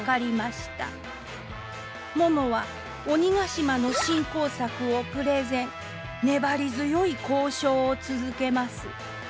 ももは鬼ヶ島の振興策をプレゼン粘り強い交渉を続けます。